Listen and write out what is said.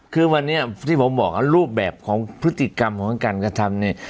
คือวันนี้ที่ผมบอกรูปแบบของพฤติกรรมของการกระทำเนี่ย